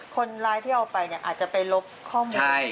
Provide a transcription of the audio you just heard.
คนร้ายที่เอาไปเนี่ยอาจจะไปลบข้อมูล